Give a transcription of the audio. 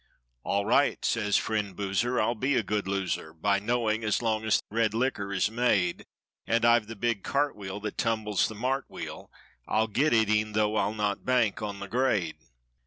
"All right!" says friend Boozer, "I'll be a good loser By knowing, as long as red liquor is made. And I've the big 'cart wheel!' that tumbles the mart wheel. I'll get it, e'en though I'll not bank on the grade."